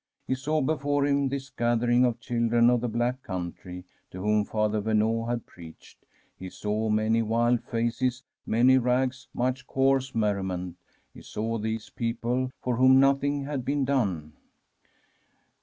He saw before him this gathering of the children of the Black Country, to whom Father Verneau had preached. He saw many wild faces, many rags, much coarse merriment. He saw these people for whom nothing had been done.